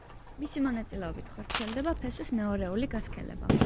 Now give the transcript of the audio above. მისი მონაწილეობით ხორციელდება ფესვის მეორეული გასქელება.